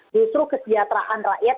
justru kesejahteraan rakyat